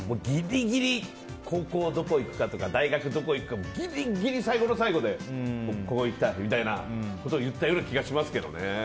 高校どこ行くかとか大学どこ行くかもぎりぎり最後の最後でここ行きたいみたいなことを言ったような気がしますね。